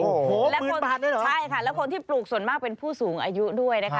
โอ้โฮหมื่นบาทนั้นเหรอใช่ค่ะและคนที่ปลูกส่วนมากเป็นผู้สูงอายุด้วยนะคะ